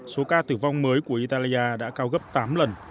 số ca tử vong mới của italia đã cao gấp tám lần